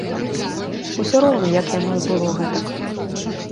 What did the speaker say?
Усё роўна як яно й было гэтак.